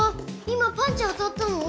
今パンチ当たったの？